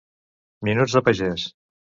Minuts de pagès.